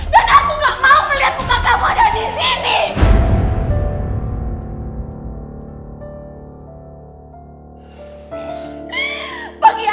dan aku gak mau melihat muka kamu ada di sini